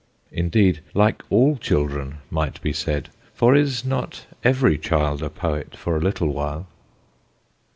Indeed, like all children, might be said, for is not every child a poet for a little while?